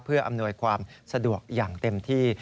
เพื่ออำนวยความสะดวกอย่างเต็มที่